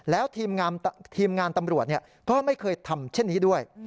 แล้วทีมงานตำรวจก็ไม่เคยทำเช่นนี้ด้วย